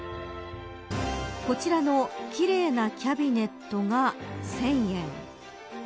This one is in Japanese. こちらのきれいなキャビネットが１０００円。